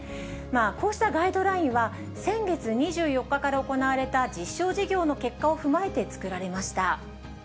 こうしたガイドラインは、先月２４日から行われた実証事業の結果を踏まえて作られました。